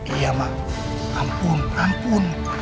iya ma ampun ampun